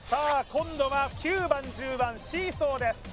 今度は９番１０番シーソーです